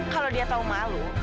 kalau dia tahu malu